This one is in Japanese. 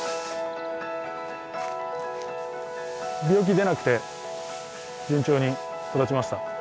病気出なくて順調に育ちました。